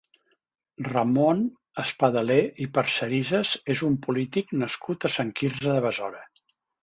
Ramon Espadaler i Parcerisas és un polític nascut a Sant Quirze de Besora.